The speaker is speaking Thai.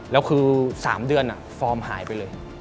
แล้วคือ๓เดือนฟอร์มหายไปเลย